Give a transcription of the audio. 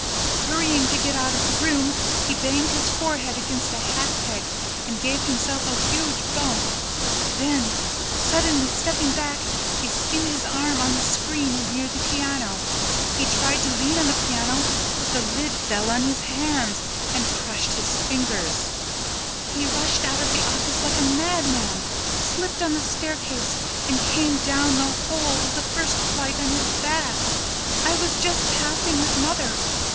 Hurrying to get out of the room, he banged his forehead against a hat peg and gave himself a huge bump; then, suddenly stepping back, he skinned his arm on the screen, near the piano; he tried to lean on the piano, but the lid fell on his hands and crushed his fingers; he rushed out of the office like a madman, slipped on the staircase and came down the whole of the first flight on his back. I was just passing with mother.